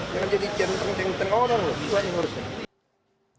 jangan jadi ceng ceng ceng orang loh